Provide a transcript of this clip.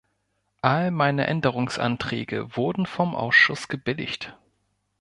All meine Änderungsanträge wurden vom Ausschuss gebilligt.